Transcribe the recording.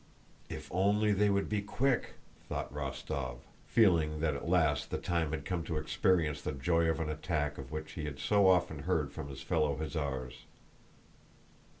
"If only they would be quick!" thought Rostóv, feeling that at last the time had come to experience the joy of an attack of which he had so often heard from his fellow hussars.